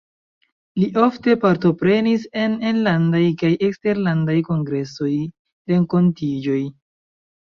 Li ofte partoprenis en enlandaj kaj eksterlandaj kongresoj, renkontiĝoj.